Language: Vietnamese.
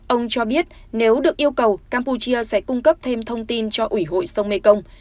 ông cho biết nếu được yêu cầu campuchia sẽ cung cấp thêm thông tin cho ủy hội sông mekong